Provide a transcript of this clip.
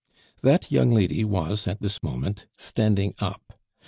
That young lady was, at this moment, standing up.